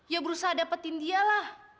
ya berusaha dapetin dia lah